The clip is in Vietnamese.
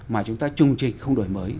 mà chúng ta trùng trình không đổi mới